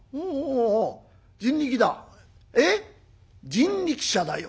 「人力車だよ」。